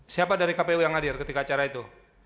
siapa dari kpu yang hadir ketika acara itu